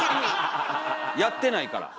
やってないから。